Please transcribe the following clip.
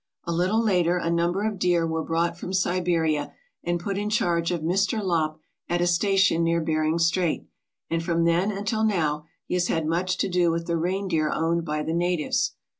A little later a number of deer were brought from Siberia and put in charge of Mr. Lopp at a station near Bering Strait, and from then until now he has had much to do with the reindeer owned by the natives.